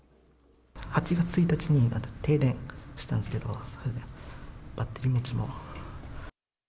８月１日に停電したんですけど、バッテリーもちょっと。